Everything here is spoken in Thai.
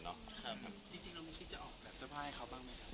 จริงแล้วมึงคิดจะออกแบบสภาพให้เขาบ้างไหมครับ